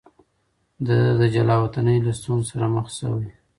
ده د جلاوطنۍ له ستونزو سره مخ شوی.